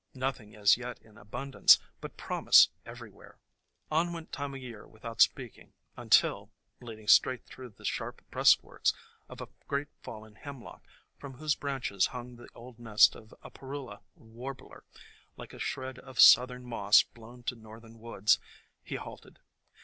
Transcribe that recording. Nothing as yet in abundance, but promise everywhere. On went Time o' Year without speaking un til, leading straight through the sharp breastworks of a great fallen hemlock, from whose branches hung the old nest of a parula warbler, like a shred of southern moss blown to northern woods, he halted.